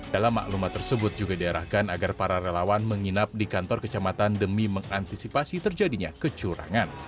dalam maklumat tersebut juga diarahkan agar para relawan menginap di kantor kecamatan demi mengantisipasi terjadinya kecurangan